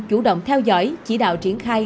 chủ động theo dõi chỉ đạo triển khai